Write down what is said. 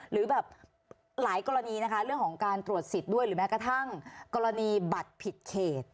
หรือแบบหลายกรณีนะคะเรื่องของการตรวจสิทธิ์ด้วยหรือแม้กระทั่งกรณีบัตรผิดเขต